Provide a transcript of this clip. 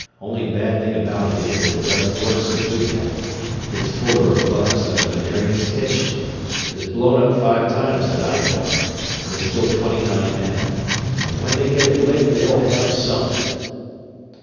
Only bad thing about it is that it doesn't work so good yet it's fuller of "bugs" than a Venerian's kitchen. It has blown up five times that I know of, and has killed twenty nine men. But when they get it licked they'll _have something!